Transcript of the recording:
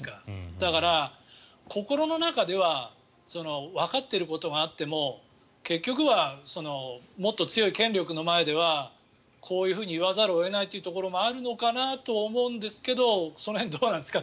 だから、心の中ではわかっていることがあっても結局はもっと強い権力の前ではこういうふうに言わざるを得ないというところもあるのかなと思うんですがその辺、どうなんですか。